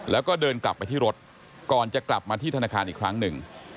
แล้วก็เดินกลับไปที่รถก่อนจะกลับมาที่ธนาคารอีกครั้งหนึ่ง